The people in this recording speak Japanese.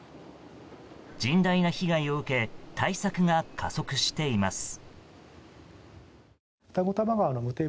甚大な被害を受け対策が加速しています。